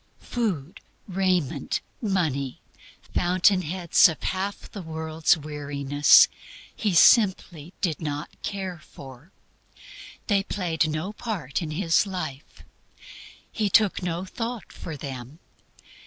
Food, raiment, money fountain heads of half the world's weariness He simply did not care for; they played no part in His life; He "took no thought" for them.